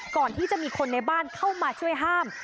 ก่อนที่จะมีคนในบ้านเข้ามาช่วยห้าม